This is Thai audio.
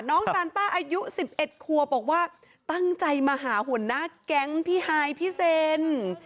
ซานต้าอายุ๑๑ควบบอกว่าตั้งใจมาหาหัวหน้าแก๊งพี่ฮายพี่เซน